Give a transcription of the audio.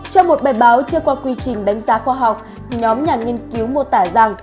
trong một bài báo chưa qua quy trình đánh giá khoa học nhóm nhà nghiên cứu mô tả rằng